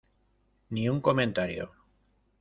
ni un comentario.